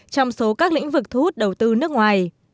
trong số các lĩnh vực thu hút đầu tư nước ngoài